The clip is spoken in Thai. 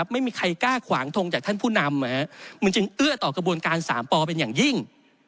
ไม่มีใครกล้าขวางทงจากท่านผู้นำมันจึงเอื้อต่อกระบวนการ๓ปเป็นอย่างยิ่ง